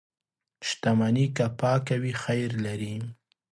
• شتمني که پاکه وي، خیر لري.